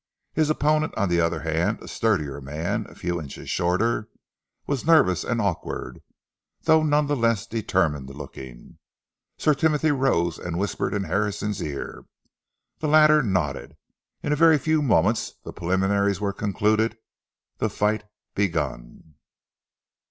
His opponent, on the other hand, a sturdier man, a few inches shorter, was nervous and awkward, though none the less determined looking. Sir Timothy rose and whispered in Harrison's ear. The latter nodded. In a very few moments the preliminaries were concluded, the fight begun.